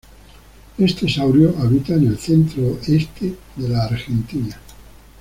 Este saurio habita en el centro-este de la Argentina.